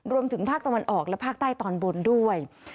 รวมถึงภาคตะวันออกและภาคใต้ตอนบนด้วย